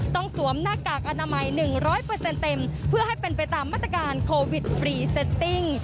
สวมหน้ากากอนามัย๑๐๐เต็มเพื่อให้เป็นไปตามมาตรการโควิดพรีเซตติ้ง